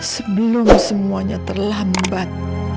sebelum semuanya terlambat